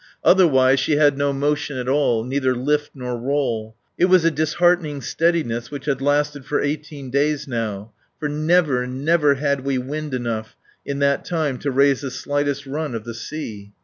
Otherwise, she had no motion at all, neither lift nor roll. It was a disheartening steadiness which had lasted for eighteen days now; for never, never had we had wind enough in that time to raise the slightest run of the sea.